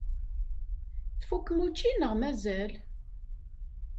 Tfukkem učči neɣ mazal?